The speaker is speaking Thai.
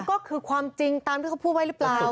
ก็คือความจริงตามที่เขาพูดไว้หรือเปล่า